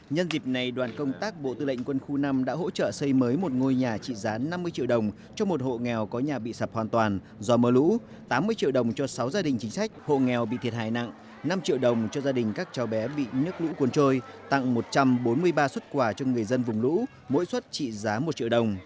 nhân dịp này đoàn công tác bộ tư lệnh quân khu năm đã hỗ trợ xây mới một ngôi nhà trị giá năm mươi triệu đồng cho một hộ nghèo có nhà bị sập hoàn toàn do mưa lũ tám mươi triệu đồng cho sáu gia đình chính sách hộ nghèo bị thiệt hại nặng năm triệu đồng cho gia đình các cháu bé bị nước lũ cuốn trôi tặng một trăm bốn mươi ba xuất quà cho người dân vùng lũ mỗi xuất trị giá một triệu đồng